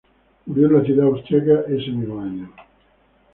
Murió en la ciudad austríaca ese mismo año.